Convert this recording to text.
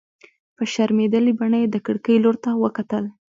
په شرمېدلې بڼه يې د کړکۍ لور ته وکتل.